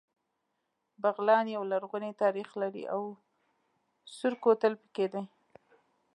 بغلان يو لرغونی تاریخ لري او سور کوتل پکې دی